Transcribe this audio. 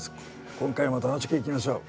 今回も楽しくいきましょう。